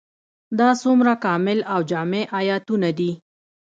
دا څومره کامل او جامع آيتونه دي ؟